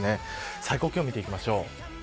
最高気温見ていきましょう。